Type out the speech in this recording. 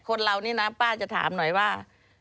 คนเรานี่นะป้าจะถามหน่อยว่า